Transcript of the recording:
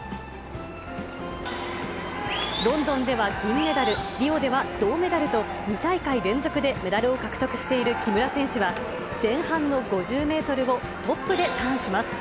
ロンドンでは銀メダル、リオでは銅メダルと、２大会連続でメダルを獲得している木村選手は、前半の５０メートルをトップでターンします。